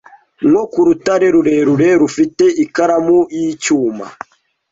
nko ku rutare rurerure rufite ikaramu yicyuma